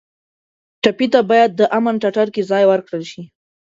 ټپي ته باید د امن ټټر کې ځای ورکړل شي.